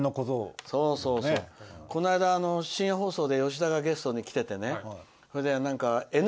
この間、深夜放送で吉田がゲストに来ててね。